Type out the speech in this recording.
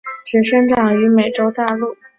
只生长于美洲大陆。